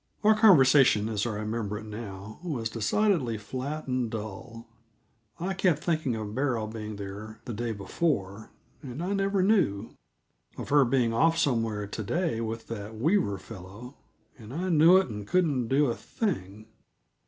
Our conversation, as I remember it now, was decidedly flat and dull. I kept thinking of Beryl being there the day before and I never knew; of her being off somewhere to day with that Weaver fellow and I knew it and couldn't do a thing.